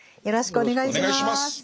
よろしくお願いします。